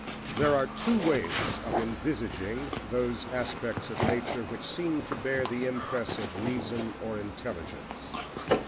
There are two ways of envisaging those aspects of nature which seem to bear the impress of reason or intelligence.